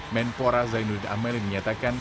menpora zainuddin amali menyatakan